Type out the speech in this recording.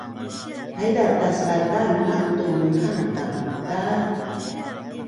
Haiza tas’a daan maqtu munhaan kaku’ ta